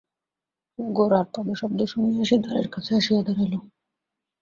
গোরার পদশব্দ শুনিয়া সে দ্বারের কাছে আসিয়া দাঁড়াইল।